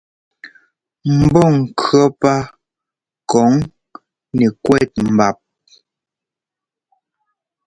Mbɔ́ŋkʉ̈ɔ́ pá kɔŋ nɛkwɛ́t mbap.